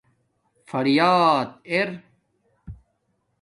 فریات اِر